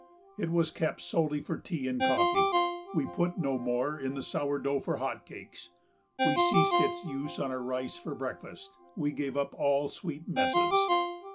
It was kept solely for tea and coffee. We put no more in the sour dough for hot cakes; we ceased its use on our rice for breakfast; we gave up all sweet messes.